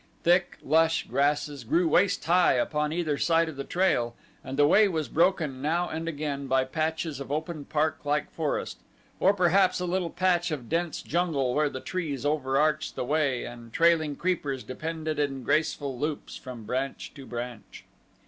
Thick, lush grasses grew waist high upon either side of the trail and the way was broken now and again by patches of open park like forest, or perhaps a little patch of dense jungle where the trees overarched the way and trailing creepers depended in graceful loops from branch to branch.